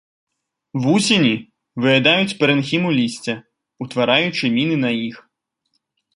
Вусені выядаюць парэнхіму лісця, утвараючы міны на іх.